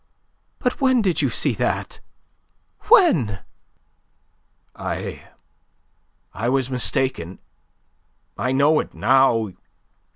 "But when did you see that? When?" "I I was mistaken. I know it now.